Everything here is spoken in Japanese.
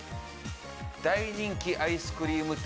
大人気アイスクリーム店